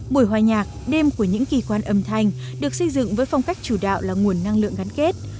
buổi hòa nhạc đêm của những kỳ quan âm thanh được xây dựng với phong cách chủ đạo là nguồn năng lượng gắn kết